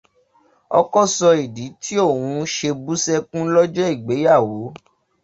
Ọkọ sọ ìdí tí òun ṣe bù sẹkùn lójọ́ ìgbéyàwó.